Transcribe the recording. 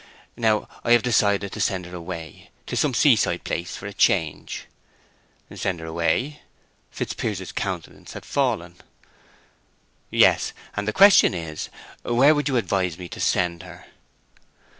Now, I have decided to send her away to some seaside place for a change—" "Send her away!" Fitzpiers's countenance had fallen. "Yes. And the question is, where would you advise me to send her?"